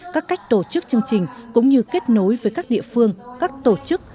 các cách tổ chức chương trình cũng như kết nối với các địa phương các tổ chức